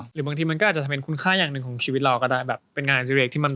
หรือบางทีมันก็อาจจะเป็นคุณค่าอย่างหนึ่งของชีวิตเราก็ได้แบบเป็นงานอดิเรกที่มัน